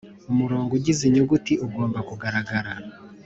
Umurongo ugize inyuguti ugomba kugaragara